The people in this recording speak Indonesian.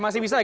masih bisa ya